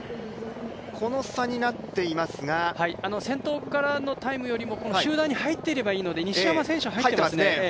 この差になっていますが先頭からのタイムよりこの集団に入っていればいいので西山選手は入っていますね。